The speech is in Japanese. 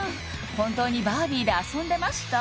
本当にバービーで遊んでました？